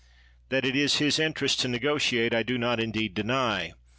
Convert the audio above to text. That it is his interest to negotiate I do not indeed deny.